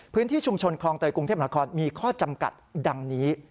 พื้นที่ชุมชนคลองเตยกรุงเทพนครมีข้อจำกัดดังนี้